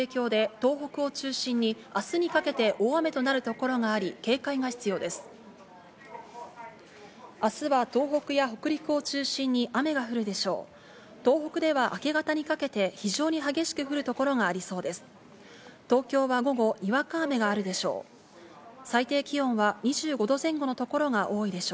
東北では明け方にかけて非常に激しく降る所がありそうです。